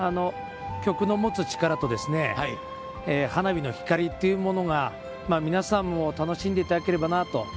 曲の持つ力と花火の光っていうものが皆さんも楽しんでいただければなと。